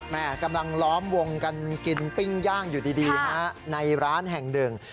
กำลังล้อมวงกันกินปิ้งย่างอยู่ดีฮะในร้านแห่งหนึ่ง